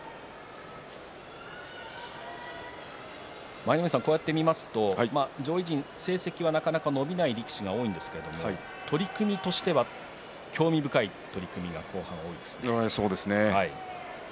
舞の海さん、こうやって見ますと上位陣成績はなかなか伸びない力士が多いんですけれど取組としては興味深い取組が後半、多いですね。